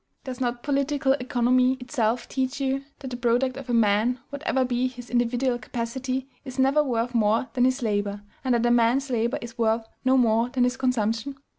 Does not political economy itself teach you that the product of a man, whatever be his individual capacity, is never worth more than his labor, and that a man's labor is worth no more than his consumption?